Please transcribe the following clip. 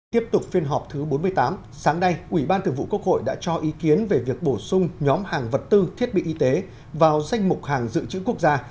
tiếp tục phiên họp thứ bốn mươi tám sáng nay ủy ban thường vụ quốc hội đã cho ý kiến về việc bổ sung nhóm hàng vật tư thiết bị y tế vào danh mục hàng dự trữ quốc gia